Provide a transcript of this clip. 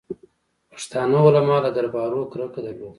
پښتانه علما له دربارو کرکه درلوده.